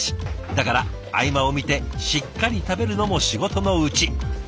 だから合間を見てしっかり食べるのも仕事のうち。